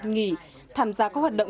nghỉ tham gia các hoạt động